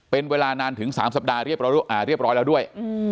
เป็นเวลานานถึง๓สัปดาห์เรียบร้อยแล้วด้วย